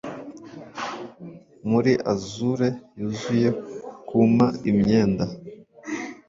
Muri azure yuzuye kuma imyenda